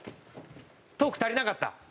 トーク足りなかった？